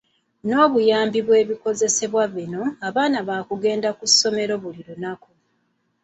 N'obuyambi bw'ebikozesebwa bino, abaana bajja kugenda ku ssomero buli lunaku.